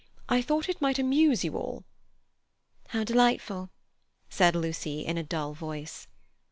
I thought it might amuse you all." "How delightful!" said Lucy, in a dull voice.